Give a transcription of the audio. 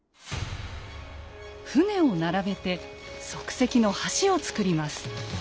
舟を並べて即席の橋をつくります。